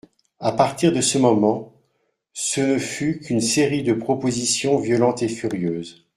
A partir de ce moment, ce ne fut qu'une série de propositions violentes, furieuses.